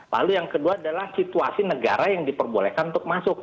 lalu yang kedua adalah situasi negara yang diperbolehkan untuk masuk